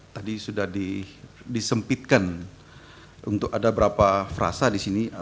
tadi sudah disempitkan untuk ada berapa frasa di sini